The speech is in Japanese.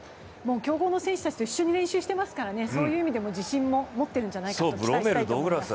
強豪の選手たちと一緒に練習していますからね、そういう意味でも自信を持っているんじゃないかと期待したいです。